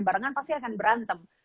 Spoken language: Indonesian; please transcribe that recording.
barengan pasti akan berantem